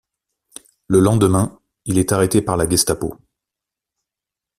Le lendemain, il est arrêté par la Gestapo.